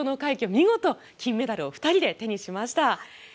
見事、金メダルを２人で手にしました。